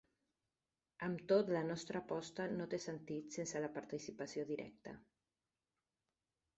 Amb tot, la nostra aposta no té sentit sense la participació directa.